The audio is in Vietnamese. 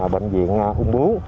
bệnh viện hung bướu